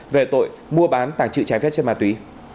về tội mua bán tàng trự trái phép chất ma túy